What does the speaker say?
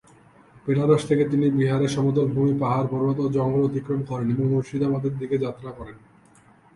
বেনারস থেকে তিনি বিহারের সমতলভূমি, পাহাড়-পর্বত ও জঙ্গল অতিক্রম করেন এবং মুর্শিদাবাদের দিকে যাত্রা করেন।